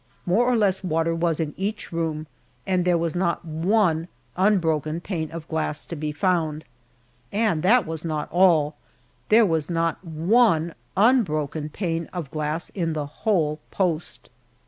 More or less water was in each room, and there was not one unbroken pane of glass to be found, and that was not all there was not one unbroken pane of glass in the whole post.